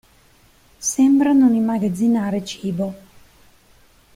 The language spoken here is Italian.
Sembra non immagazzinare cibo.